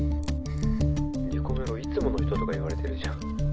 「りこめろいつもの人とか言われてるじゃん」